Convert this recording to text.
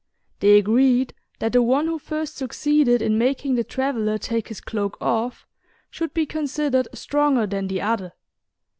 They agreed that the one who first succeeded in making the traveler take his cloak off should be considered stronger than the other.